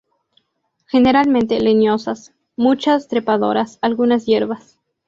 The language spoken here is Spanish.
Generalmente leñosas, muchas trepadoras, algunas hierbas.